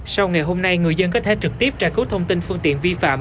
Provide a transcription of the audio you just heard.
sau ngày hôm nay người dân có thể trực tiếp trả cứu thông tin phương tiện vi phạm